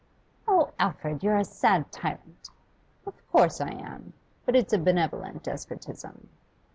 'Oh, Alfred, you're a sad tyrant!' 'Of course I am. But it's a benevolent despotism.